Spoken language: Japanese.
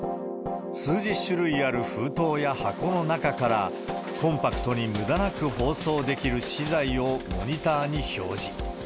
数十種類ある封筒や箱の中から、コンパクトにむだなく包装できる資材をモニターに表示。